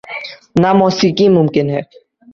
نہ موسیقی ممکن ہے۔